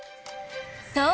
そう！